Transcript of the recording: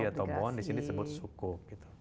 atau mohon disini disebut sukuk